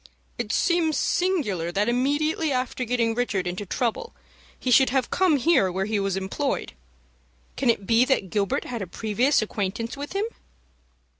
"It seems singular that immediately after getting Richard into trouble, he should have come here where he was employed. Can it be that Gilbert had a previous acquaintance with him?"